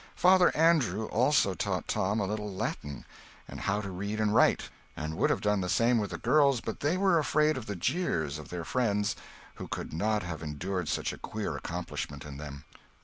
Father Andrew also taught Tom a little Latin, and how to read and write; and would have done the same with the girls, but they were afraid of the jeers of their friends, who could not have endured such a queer accomplishment in them.